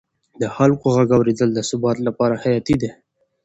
د خلکو غږ اورېدل د ثبات لپاره حیاتي دی